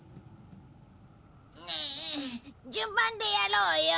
ねえ順番でやろうよ。